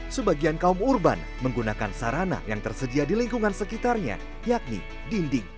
sebagian kaum urban menggunakan sarana yang tersedia di lingkungan sekitarnya yakni dinding